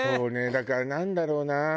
だからなんだろうな。